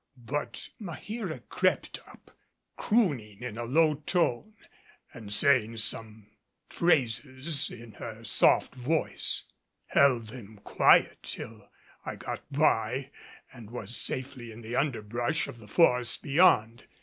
But Maheera crept up, crooning in a low tone; and, saying some phrases in her soft voice, held them quiet till I had got by and was safely in the underbrush of the forest beyond.